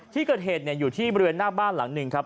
ที่เกิดเหตุอยู่ที่บริเวณหน้าบ้านหลังหนึ่งครับ